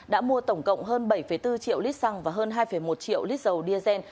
đã mua tổng cộng hơn bảy bốn triệu lít xăng và hơn hai một triệu lít dầu diesel